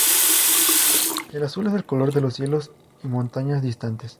El azul es el color de los cielos y montañas distantes.